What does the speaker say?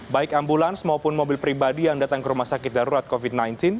baik ambulans maupun mobil pribadi yang datang ke rumah sakit darurat covid sembilan belas